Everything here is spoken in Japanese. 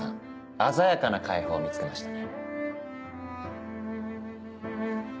鮮やかな解法を見つけましたね。